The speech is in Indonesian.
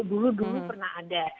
dulu dulu pernah ada